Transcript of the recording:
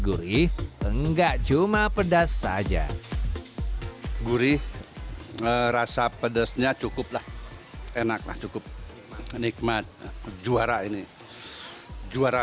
gurih enggak cuma pedas aja gurih ngerasa pedasnya cukuplah enaklah cukup nikmat juara ini juara